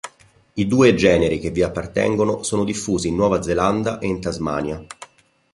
I due generi che vi appartengono sono diffusi in Nuova Zelanda e in Tasmania.